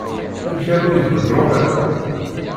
Amek armi i kent-ṛuḥen?